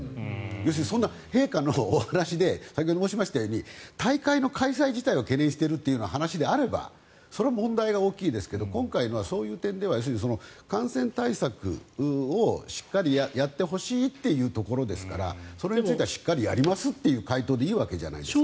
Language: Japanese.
要するに、陛下のお話で先ほど申しましたように大会の開催自体を懸念しているという話であればそれは問題が大きいですけど今回はそういう点では感染対策をしっかりやってほしいというところですからそれについてはしっかりやりますという回答でいいわけじゃないですか。